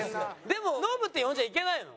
でも「ノブ」って呼んじゃいけないの？